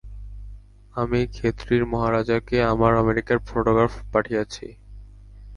আমি খেতড়ির মহারাজাকে আমার আমেরিকার ফটোগ্রাফ পাঠাইয়াছি।